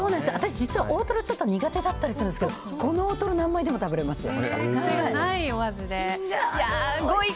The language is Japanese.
私、実は大トロ苦手だったりするんですけどこの大トロ何枚でも食べられますよ。